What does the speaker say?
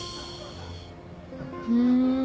うん。